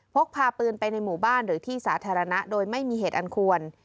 พกพาปืนไปในหมู่บ้านหรือที่สาธารณะโดยไม่มีเหตุอันควร